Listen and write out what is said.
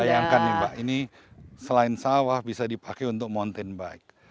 bayangkan nih mbak ini selain sawah bisa dipakai untuk mountain bike